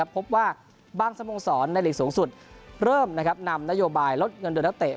พบว่าบางสโมสรในหลีกสูงสุดเริ่มนำนโยบายลดเงินเดือนนักเตะ